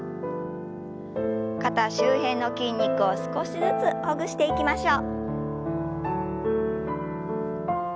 肩周辺の筋肉を少しずつほぐしていきましょう。